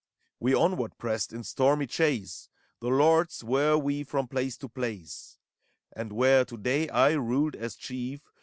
We onward pressed, in stormy chase; The lords were we from place to place ; And where, to day, I ruled as chief.